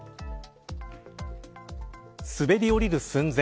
滑り降りる寸前